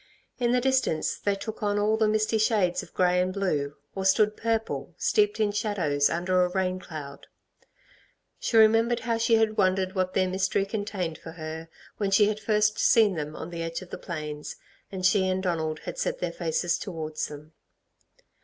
In the distance they took on all the misty shades of grey and blue, or stood purple, steeped in shadows, under a rain cloud. She remembered how she had wondered what their mystery contained for her when she had first seen them on the edge of the plains, and she and Donald had set their faces towards them.